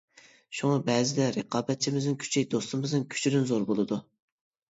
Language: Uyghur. شۇڭا، بەزىدە رىقابەتچىمىزنىڭ كۈچى دوستىمىزنىڭ كۈچىدىن زور بولىدۇ.